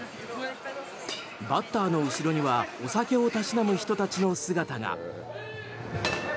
バッターの後ろにはお酒をたしなむ人たちの姿が。